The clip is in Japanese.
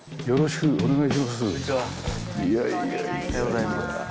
よろしくお願いします。